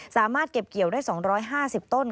สามารถเก็บเกี่ยวได้๒๕๐ต้น